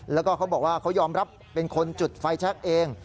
แล้วก็เขาบอกว่าเขายอมรับเป็นคนจุดไฟแชคเอง